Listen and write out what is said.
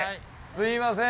すいません。